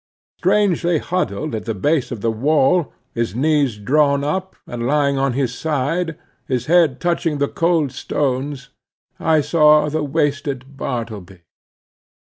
Strangely huddled at the base of the wall, his knees drawn up, and lying on his side, his head touching the cold stones, I saw the wasted Bartleby.